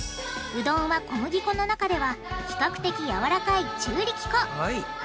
うどんは小麦粉の中では比較的やわらかい中力粉。